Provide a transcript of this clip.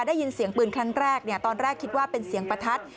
ได้ยินเสียงปืนครั้งแรกตอนแรกคิดว่าเป็นเสียงประทัด